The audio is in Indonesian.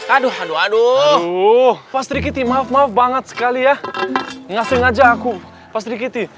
aduh aduh aduh maaf maaf banget sekali ya ngasih aja aku pasti